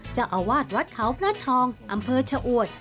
จะอาวาสวัดเขาพระนัททองอำเภอเช่าอวด